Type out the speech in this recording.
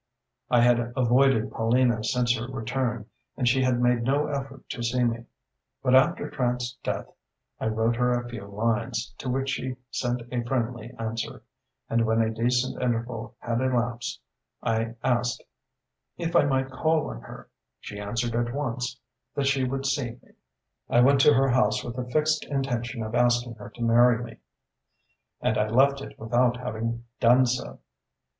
"I had avoided Paulina since her return, and she had made no effort to see me. But after Trant's death I wrote her a few lines, to which she sent a friendly answer; and when a decent interval had elapsed, and I asked if I might call on her, she answered at once that she would see me. "I went to her house with the fixed intention of asking her to marry me and I left it without having done so.